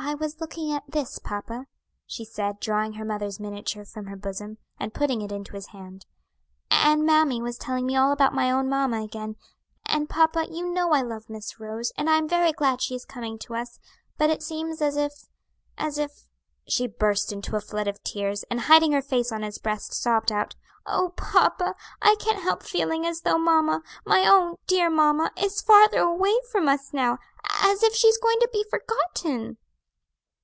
"I was looking at this, papa," she said, drawing her mother's miniature from her bosom, and putting it into his hand; "and mammy was telling me all about my own mamma again; and, papa, you know I love Miss Rose, and I am very glad she is coming to us, but it seems as if as if " She burst into a flood of tears, and hiding her face on his breast, sobbed out, "Oh, papa, I can't help feeling as though mamma my own dear mamma is farther away from us now; as if she is going to be forgotten."